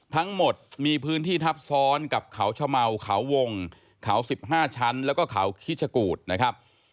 ทั้งหมดมีพื้นที่ทับซ้อนกับเขาชะเมาเขาวงเขา๑๕ชั้นแล้วก็เขาคิชกูธนะครับ